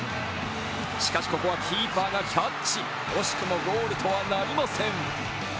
しかし、ここはキーパーがキャッチ惜しくもゴールとはなりません。